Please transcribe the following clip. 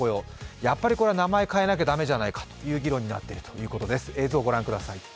やっぱりこれは名前を変えなきゃ駄目じゃないかという議論になっているようです。